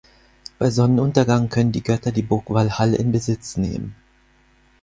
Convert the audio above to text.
Bei Sonnenuntergang können die Götter die Burg Walhall in Besitz nehmen.